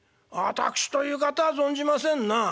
私という方は存じませんな。